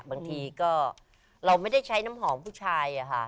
บางทีก็เราไม่ได้ใช้น้ำหอมผู้ชายอะค่ะ